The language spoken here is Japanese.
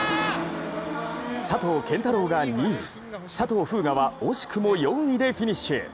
佐藤拳太郎が２位、佐藤風雅は惜しくも４位でフィニッシュ。